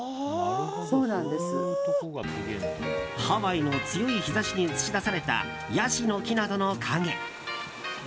ハワイの強い日差しに映し出されたヤシの木などの影。